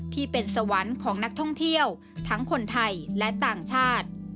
ที่เป็นสวรรค์ของนักท่องเที่ยวทั้งคนไทยและต่างชาติ